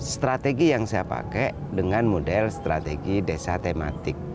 strategi yang saya pakai dengan model strategi desa tematik